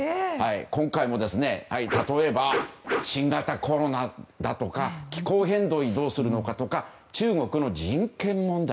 今回も例えば、新型コロナだとか気候変動をどうするのかだとか中国の人権問題